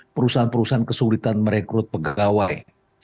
perusahaan perusahaan kesulitan merekrut pegawai